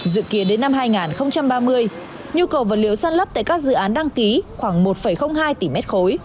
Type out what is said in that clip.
dự kiến đến năm hai nghìn ba mươi nhu cầu vật liệu sàn lấp tại các dự án đăng ký khoảng một hai tỷ m ba